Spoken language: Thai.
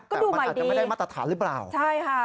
แต่มันอาจจะไม่ได้มาตรฐานหรือเปล่าใช่ค่ะ